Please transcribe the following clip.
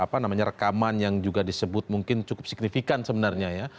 apa namanya rekaman yang juga disebut mungkin cukup signifikan sebenarnya ya